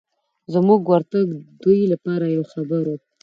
زموږ ورتګ دوی لپاره یو خبر و.